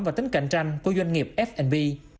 và tính cạnh tranh của doanh nghiệp f b